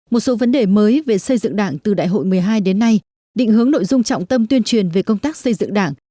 một số vấn đề mới về xây dựng đảng từ đại hội một mươi hai đến nay định hướng nội dung trọng tâm tuyên truyền về công tác xây dựng đảng